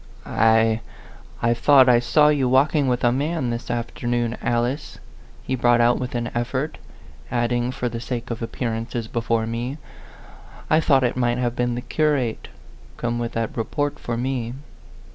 "I I thought I saw you walking with a man this afternoon, Alice," he brought out with an effort; adding, for the sake of ap pearances before me, "I thought it might have been the curate, come with that report for me."